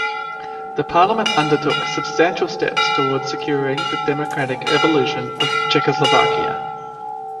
The parliament undertook substantial steps toward securing the democratic evolution of Czechoslovakia.